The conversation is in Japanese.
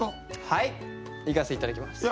はいいかせて頂きます。